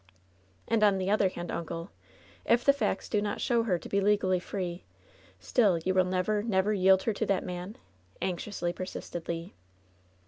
"And, on the other hand, uncle, if the facts do not show her to be legally free, still you will never, never yield her to that man ?" anxiously persisted Le.